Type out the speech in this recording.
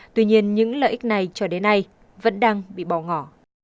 tuy nhiên những lợi ích này cho đến nay vẫn đang bị bỏ ngỏ